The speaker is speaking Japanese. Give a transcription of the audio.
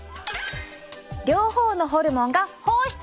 両方のホルモンが放出！